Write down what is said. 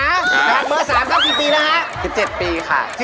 นะครับเบอร์๓ก็๑๐ปีแล้วฮะ๑๗ปีค่ะ